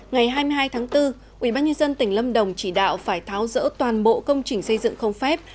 ngày hai mươi hai tháng bốn ubnd tỉnh lâm đồng chỉ đạo phải tháo rỡ toàn bộ công trình xây dựng không phép